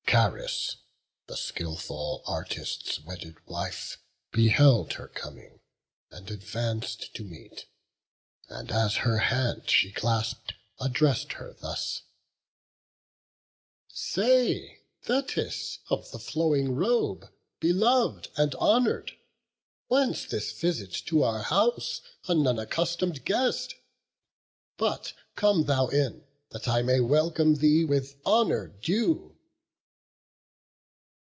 Charis, the skilful artist's wedded wife, Beheld her coming, and advanc'd to meet; And, as her hand she clasp'd, address'd her thus: "Say, Thetis of the flowing robe, belov'd And honour'd, whence this visit to our house, An unaccustom'd guest? but come thou in, That I may welcome thee with honour due."